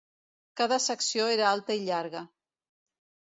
Cada secció era alta i llarga.